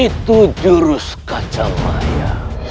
itu jurus kacamaya